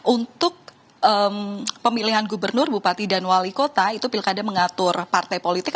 untuk pemilihan gubernur bupati dan wali kota itu pilkada mengatur partai politik